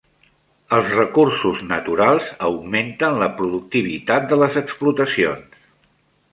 Els recursos naturals augmenten la productivitat de les explotacions.